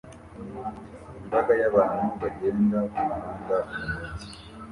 Imbaga y'abantu bagenda kumuhanda mumujyi